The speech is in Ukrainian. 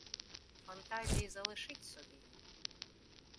Фантазії залишіть собі